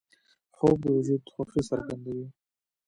خوب د وجود خوښي څرګندوي